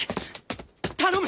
頼む！